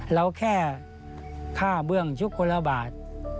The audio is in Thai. เราแค่ค่าเบื้องยุคคนละบาท